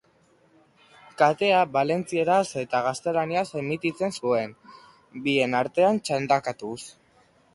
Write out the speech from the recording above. Katea valentzieraz eta gaztelaniaz emititzen zuen, bien artean txandakatuz.